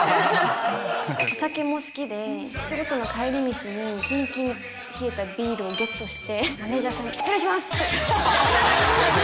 お酒も好きで、お仕事の帰り道に、きんきんに冷えたビールをゲットして、マネージャーさんに、失礼しますって。